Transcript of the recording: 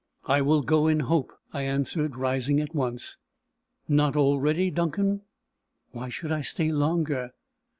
"I will go in hope," I answered, rising at once. "Not already, Duncan?" "Why should I stay longer?"